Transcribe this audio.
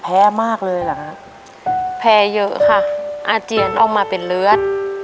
แพ้มากเลยเหรอคะแพ้เยอะค่ะอาเจียนออกมาเป็นเลือด